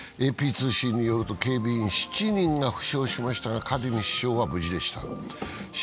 ＡＰ通信によると、警備員７人が負傷しましたが、カディミ首相は無事でした。